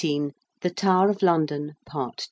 THE TOWER OF LONDON. PART II.